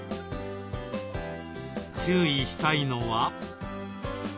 注意したいのは。